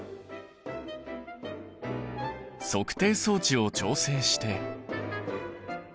測定装置を調整して。